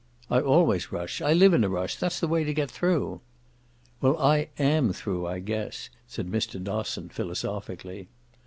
"I always rush. I live in a rush. That's the way to get through." "Well, I AM through, I guess," said Mr. Dosson philosophically.